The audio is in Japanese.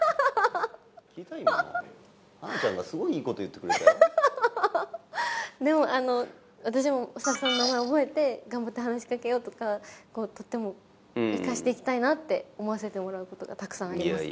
今花ちゃんがすごいいいこと言ってくれたよでも私もスタッフさんの名前を覚えて頑張って話しかけようとかとっても生かしていきたいなって思わせてもらうことがたくさんあります